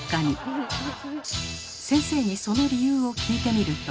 先生にその理由を聞いてみると。